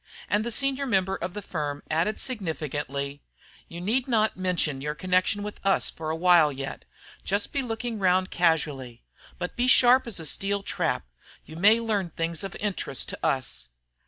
And the senior member of the firm added significantly: "You need not mention your connection with us for a while yet. Just be looking round casually. But be sharp as a steel trap. You may learn things of interest to us."